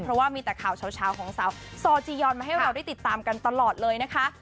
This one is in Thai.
เพราะว่ามีแต่ข่าวเช้าของสาวซอจียอนมาให้เราได้ติดตามกันตลอดเลยนะคะ